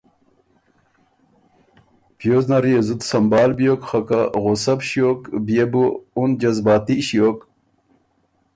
پیوز نر يې زُت سمبهال بیوک خه که غُصۀ بو ݭیوک بيې بو اُن جذباتي ݭیوک